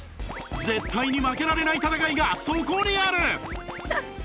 絶対に負けられない戦いがそこにある！